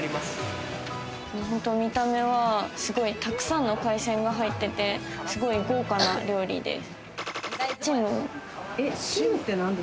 本当、見た目はたくさんの海鮮が入ってて、すごい豪華な料理です。